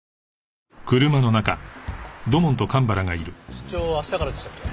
出張明日からでしたっけ？